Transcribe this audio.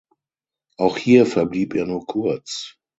Auch hier verblieb er nur kurz.